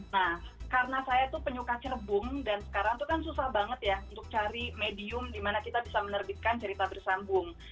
nah karena saya tuh penyuka cerbung dan sekarang tuh kan susah banget ya untuk cari medium dimana kita bisa menerbitkan cerita bersambung